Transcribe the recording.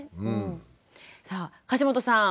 さあ樫本さん